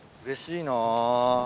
うれしいな。